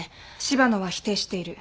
柴野は否定している。